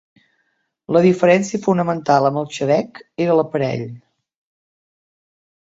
La diferència fonamental amb el xabec era l'aparell.